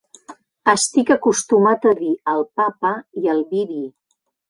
Estic acostumat a dir al pa, pa, i al vi, vi.